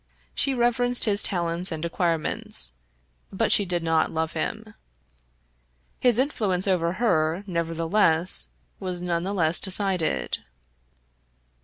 She reverenced his talents and acquirements, but she did not love him. His influence over her, nevertheless, was none the less decided.